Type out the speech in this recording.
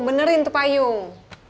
benerin tuh payung